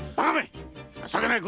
情けないことを！